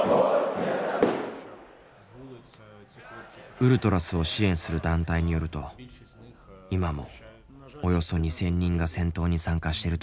ウルトラスを支援する団体によると今もおよそ２，０００人が戦闘に参加しているという。